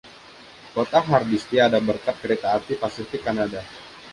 Kota Hardisty ada berkat Kereta Api Pasifik Kanada.